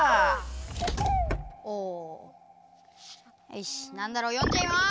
よしなんだろう読んじゃいます！